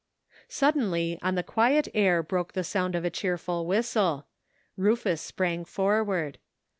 Suddenly on the quiet air broke the sound of a cheerful whistle. Rufus sprang forward.